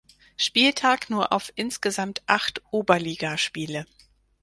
Spieltag nur auf insgesamt acht Oberligaspiele.